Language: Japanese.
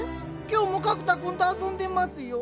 今日も格太君と遊んでますよ。